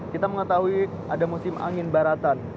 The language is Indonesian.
kita mengetahui ada musim angin baratan